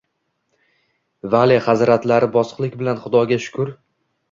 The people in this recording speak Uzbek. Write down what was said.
Vale hazratlari bosiqlik bilan Xudoga shukr